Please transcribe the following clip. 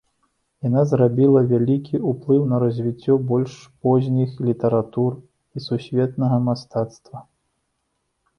Яна зрабіла вялікі ўплыў на развіццё больш позніх літаратур і сусветнага мастацтва.